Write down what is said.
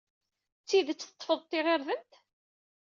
D tidet teḍḍfeḍ-d tiɣirdemt?